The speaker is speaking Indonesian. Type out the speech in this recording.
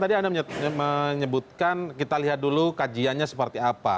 tadi anda menyebutkan kita lihat dulu kajiannya seperti apa